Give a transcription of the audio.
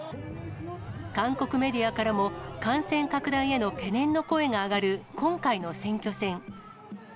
韓国メディアからも、感染拡大への懸念の声が上がる今回の選挙戦。